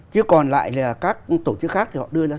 chứ còn lại là các tổ chức khác thì họ đưa ra